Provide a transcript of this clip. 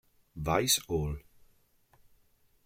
Vice all.